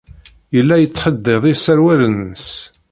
Yella yettḥeddid iserwalen-nnes.